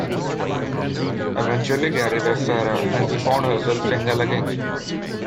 Eventually, Gary left Sarah and she found herself single again.